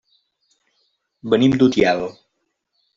Venim d'Utiel.